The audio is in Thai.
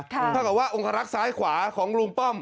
ถ้าเกี่ยวกับว่าองฐาลักษณ์ซ้ายขวาของรุ่งป้อม